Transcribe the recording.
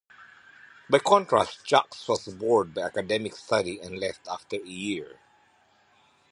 By contrast, Jacques was bored by academic study and left after a year.